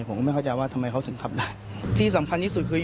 ผมก็ไม่เข้าใจว่าทำไมเขาถึงขับได้ที่สำคัญที่สุดคือ